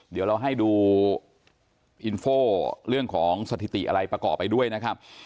เดี๋ยวเราให้ดูอินโฟเรื่องของสถิติอะไรประกอบไปด้วยนะครับ